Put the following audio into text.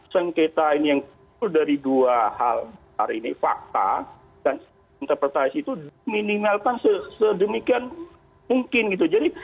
sengketa ini yang dari dua hal ini fakta dan interpretasi itu diminimalkan sedemikian mungkin gitu jadi